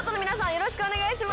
よろしくお願いします。